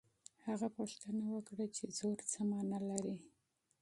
هغه پوښتنه وکړه چې زور څه مانا لري.